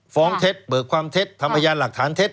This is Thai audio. ฟ้องเทศเปิดความเทศทำพยานหลักฐานเทศ